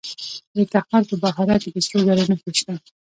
د تخار په بهارک کې د سرو زرو نښې شته.